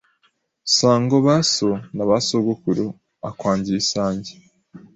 Sango ba so na ba sogokuru akwangiye isange